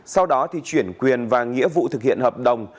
sau đó thì chuyển quyền và nghĩa vụ thực hiện hợp đồng